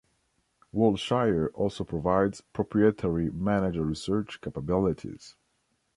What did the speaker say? Wilshire also provides proprietary manager research capabilities.